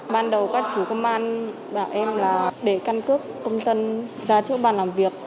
ban đầu các chú công an bảo em là để căn cướp công dân ra trước bàn làm việc